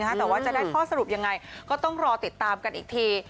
แต่ว่าจะได้ข้อสรุปยังไงก็ต้องรอติดตามกันอีกที